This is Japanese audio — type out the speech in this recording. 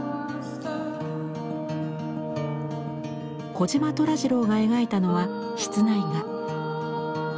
児島虎次郎が描いたのは室内画。